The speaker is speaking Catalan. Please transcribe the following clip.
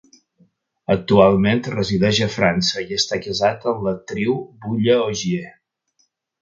Actualment resideix a França i està casat amb l'actriu Bulle Ogier.